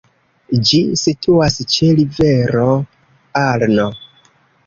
Ĝi situas ĉe rivero Arno.